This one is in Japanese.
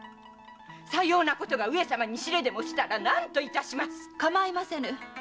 さようなことが上様に知れでもしたら何といたします⁉かまいませぬ。